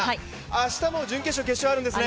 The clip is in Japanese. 明日もう準決勝、決勝あるんですね。